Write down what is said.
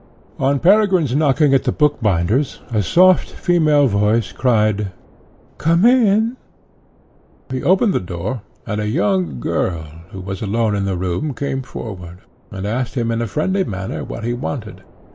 On Peregrine's knocking at the bookbinder's, a soft female voice cried, "Come in!" He opened the door, and a young girl, who was alone in the room, came forward, and asked him in a friendly manner what he wanted.